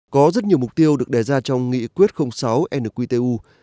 có rất nhiều mục tiêu được đề ra trong nghị quyết sáu nqtu